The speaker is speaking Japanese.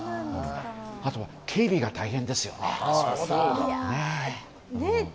あとは警備が大変ですよね。